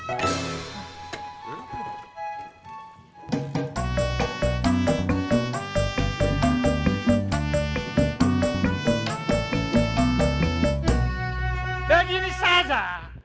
lindungnya dengan peduli saja